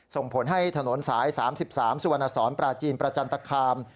ส่งผลให้ถนนสาย๓๓สุวรรณสอนปราจีนประจันตคาม